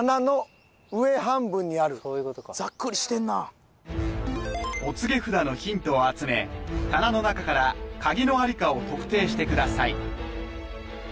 そういうことかざっくりしてんなお告げ札のヒントを集め棚の中から鍵のありかを特定してください